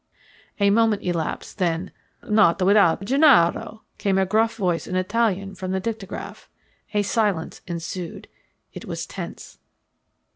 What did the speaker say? A moment elapsed, then, "Not without Gennaro," came a gruff voice in Italian from the dictagraph. A silence ensued. It was tense.